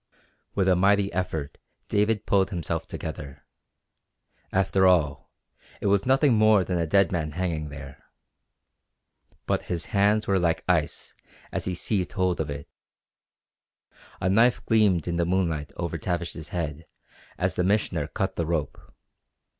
With a mighty effort David pulled himself together. After all, it was nothing more than a dead man hanging there. But his hands were like ice as he seized hold of it. A knife gleamed in the moonlight over Tavish's head as the Missioner cut the rope.